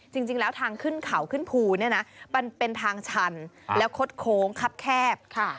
จริงแล้วทางขึ้นเขาขึ้นภูเนี่ยนะมันเป็นทางชันแล้วคดโค้งคับแคบ